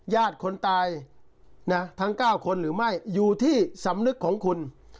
ญาติคนตายนะทั้ง๙คนหรือไม่อยู่ที่สำนึกของคุณ